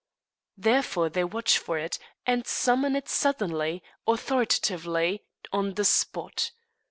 Therefore they watch for it, and summon it suddenly, authoritatively, on the spot.